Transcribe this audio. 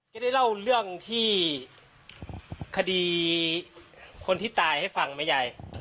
ได้เล่าเรื่องที่คดีคนที่ตายให้ฟังไหมยาย